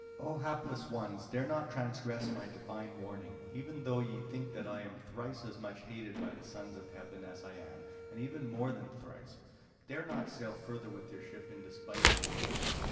"O hapless ones, dare not to transgress my divine warning, even though ye think that I am thrice as much hated by the sons of heaven as I am, and even more than thrice; dare not to sail further with your ship in despite of the omen.